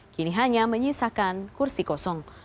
kini hanya menyisakan kursi kosong